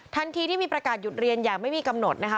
ทันทีที่มีประกาศหยุดเรียนอย่างไม่มีกำหนดนะคะ